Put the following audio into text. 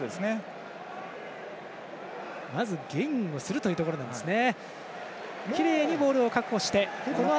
まず、ゲインをするというところなんですね。